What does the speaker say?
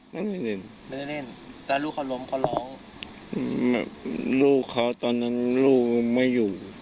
ไม่เคยเล่นไม่ได้เล่นแต่ลูกเขาล้มเขาร้องแบบลูกเขาตอนนั้นลูกไม่อยู่